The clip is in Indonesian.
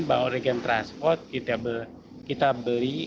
bawa regen transport kita beli